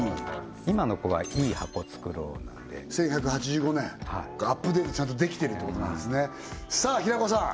今の子は１１８５つくろうなんで１１８５年アップデートちゃんとできてるってことなんですねさあ平子さん